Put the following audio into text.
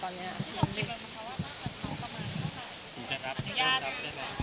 ไม่ได้รับ